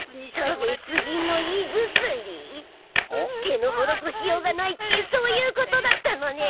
手のほどこしようがないってそういうことだったのね。